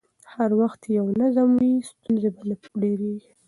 هر وخت چې نظم وي، ستونزې به نه ډېرېږي.